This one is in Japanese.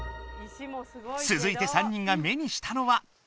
つづいて３人が目にしたのは。